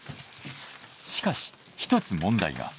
しかし一つ問題が。